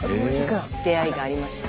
出会いがありました。